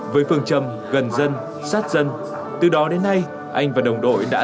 với phương châm gần dân sát dân từ đó đến nay anh và đồng đội đã